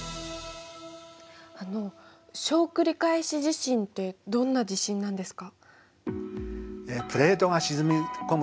あの小繰り返し地震ってどんな地震なんですか？